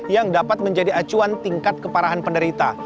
yang dapat menjadi acuan tingkat keparahan penderita